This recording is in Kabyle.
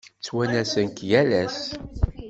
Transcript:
Ttwanasen-k yal ass.